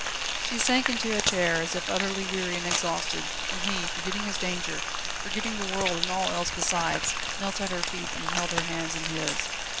She sank into a chair, as if utterly weary and exhausted, and he, forgetting his danger, forgetting the world and all else besides, knelt at her feet, and held her hands in his.